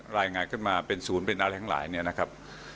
รายงานขึ้นมาเป็นศูนย์เป็นอะไรหลายนะครับ